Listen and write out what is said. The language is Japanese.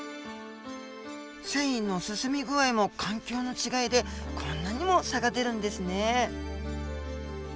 遷移の進み具合も環境の違いでこんなにも差が出るんですね。